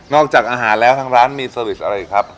นอกจากอาหารแล้วทั้งร้านมีเซอร์วิสอะไรอีกครับ